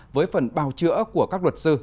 với phần bào chữa của các luật sư